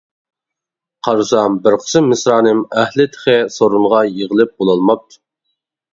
قارىسام بىر قىسىم مىسرانىم ئەھلى تېخى سورۇنغا يىغىلىپ بولالماپتۇ.